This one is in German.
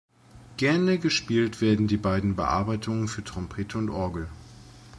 Gerne gespielt werden die beiden Bearbeitungen für Trompete und Orgel